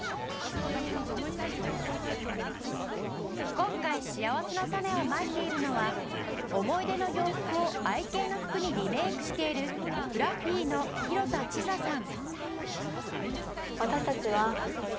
今回しあわせのたねをまいているのは思い出の洋服を愛犬の服にリメイクしている ＦＬＡＦＦＹ の廣田智沙さん